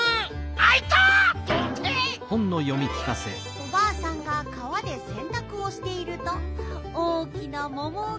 「おばあさんが川でせんたくをしていると大きなももが」。